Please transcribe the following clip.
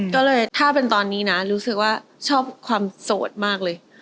ก็เลยถ้าเป็นตอนนี้นะรู้สึกว่าชอบความโสดมากเลย